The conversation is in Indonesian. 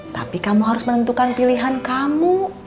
tapi kamu harus menentukan pilihan kamu